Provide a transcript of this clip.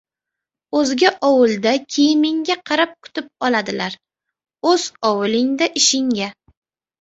• O‘zga ovulda kiyimingga qarab kutib oladilar, o‘z ovulingda ishingga.